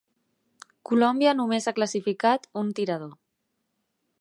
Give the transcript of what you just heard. Colòmbia només ha classificat un tirador.